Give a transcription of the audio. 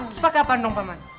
terus pake apaan dong paman